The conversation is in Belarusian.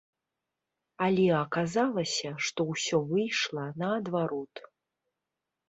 Але аказалася, што ўсё выйшла наадварот.